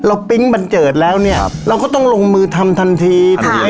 เราปริ๊งบันเจิดแล้วก็ต้องลงมือทำทันที